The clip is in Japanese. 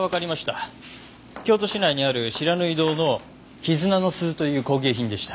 京都市内にある不知火堂の「絆の鈴」という工芸品でした。